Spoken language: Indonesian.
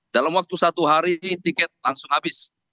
dalam waktu satu hari tiket langsung habis